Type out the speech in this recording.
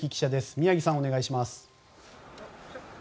宮城さん、お願いします。